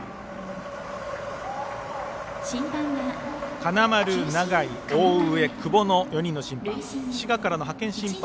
金丸、永井大上、久保の４人の審判。